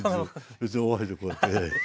別にお箸でこうやって。